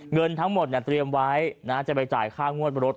เงินทั้งหมดเนี่ยเตรียมไว้นะจะไปจ่ายค่างวดบรรด